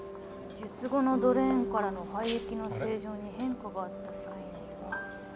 術後のドレーンからの排液の性状に変化があった際には。